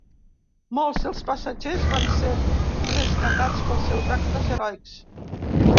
Molts dels passatgers van ser rescatats pels seus actes heroics.